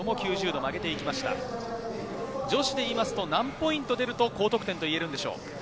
女子でいいますと何ポイント出ると高得点といえるんでしょう？